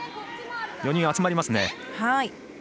４人集まりますね。